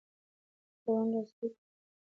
تړون لاسلیک کړي.